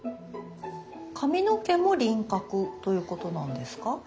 髪の毛も輪郭ということなんですか？